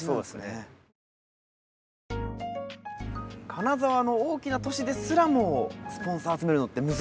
金沢の大きな都市ですらもスポンサー集めるのって難しいんですね。